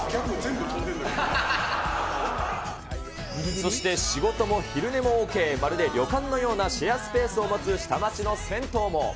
そして、仕事も昼寝もＯＫ、まるで旅館のようなシェアスペースを持つ下町の銭湯も。